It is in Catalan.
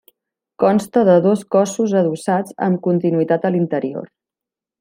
Consta de dos cossos adossats amb continuïtat a l'interior.